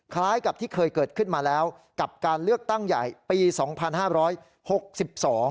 คล้ายกับที่เคยเกิดขึ้นมาแล้วกับการเลือกตั้งใหญ่ปี๒๕๖๒